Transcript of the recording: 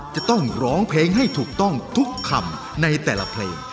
จะต้องร้องเพลงให้ถูกต้องทุกคำในแต่ละเพลง